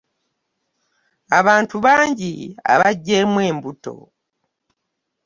Abantu bangi abagyeemu embutto.